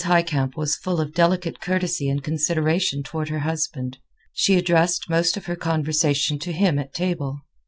Highcamp was full of delicate courtesy and consideration toward her husband. She addressed most of her conversation to him at table.